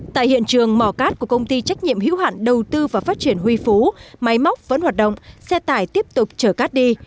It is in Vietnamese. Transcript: tại hiện trường mỏ cát của công ty trách nhiệm hữu hạn đầu tư và phát triển huy phú máy móc vẫn hoạt động xe tải tiếp tục chở cát đi